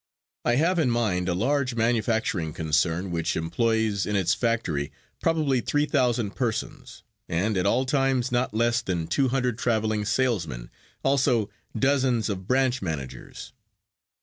I have in mind a large manufacturing concern which employes in its factory probably three thousand persons, and at all times not less than two hundred traveling salesmen, also dozens of branch managers.